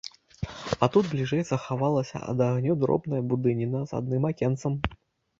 А тут, бліжэй, захавалася ад агню дробная будыніна з адным акенцам.